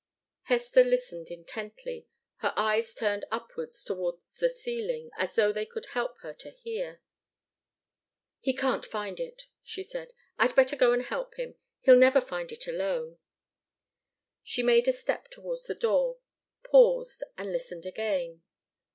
Hester listened intently, her eyes turned upwards towards the ceiling, as though they could help her to hear. "He can't find it," she said. "I'd better go and help him he'll never find it alone." She made a step towards the door, paused, and listened again.